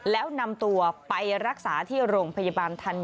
แล้วนำตัวไปรักษาที่โรงพยาบาลธันวา